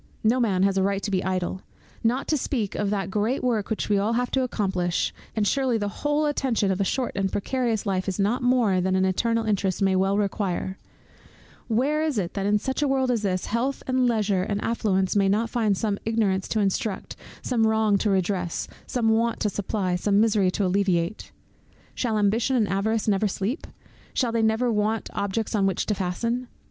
No man has a right to be idle Not to speak of that great work which we all have to accomplish, and surely the whole attention of a short and precarious life is not more than an eternal interest may well require; where is it that in such a world as this, health and leisure and affluence may not find some ignorance to instruct, some wrong to redress, some want to supply, some misery to alleviate? Shall Ambition and Avarice never sleep? Shall they never want objects on which to fasten?